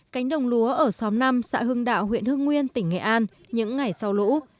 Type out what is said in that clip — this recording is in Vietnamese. cánh đồng lúa ở xóm năm xã hưng đạo huyện hưng nguyên tỉnh nghệ an những ngày sau lũ